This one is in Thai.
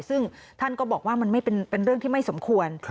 ซึ่งท่านก็บอกว่ามันเป็นเรื่องที่ไม่สมควร